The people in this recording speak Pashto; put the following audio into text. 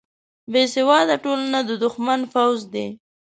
بیسواده ټولنه د دښمن پوځ دی